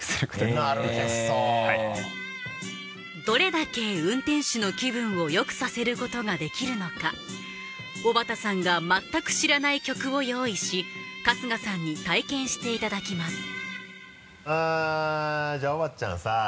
どれだけ運転手の気分をよくさせることができるのか小幡さんが全く知らない曲を用意し春日さんに体験していただきますじゃあ小幡ちゃんさ。